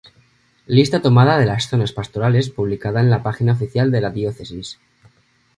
Lista tomada de las zonas pastorales publicada en la página oficial de la Diócesis.